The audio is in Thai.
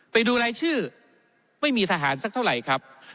ไปดูรายชื่อไม่มีทหารสักเท่าไหร่ครับ